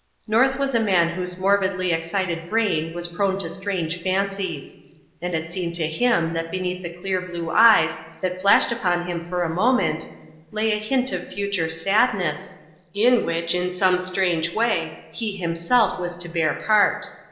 North was a man whose morbidly excited brain was prone to strange fancies; and it seemed to him that beneath the clear blue eyes that flashed upon him for a moment, lay a hint of future sadness, in which, in some strange way, he himself was to bear part.